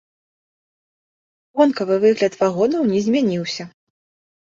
Вонкавы выгляд вагонаў не змяніўся.